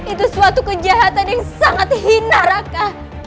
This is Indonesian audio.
itu suatu kejahatan yang sangat hina raka